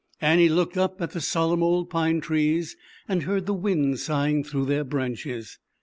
Annie looked up at the solemn old pine trees, and heard the wind sighing through their branches.